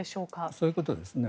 そういうことですね。